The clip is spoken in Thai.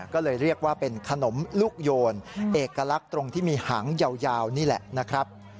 ก็เลยเรียกว่าเป็นขนมลูกโยนเอกลักษณ์ตรงที่มีหางยาวนี่แหละนะครับ